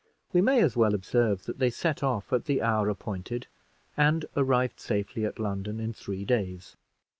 We may as well observe, that they set off at the hour appointed, and arrived safely at London in three days.